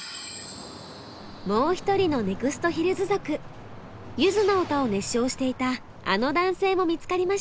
もう一人のネクストヒルズ族ゆずの歌を熱唱していたあの男性も見つかりました。